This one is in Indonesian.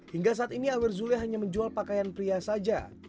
hingga saat ini awer zule hanya menjual pakaian pria saja